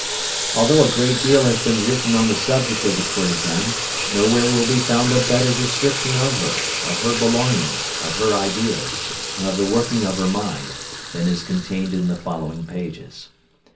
Although a great deal has been written on the subject of the courtesan, nowhere will be found a better description of her, of her belongings, of her ideas, and of the working of her mind, than is contained in the following pages.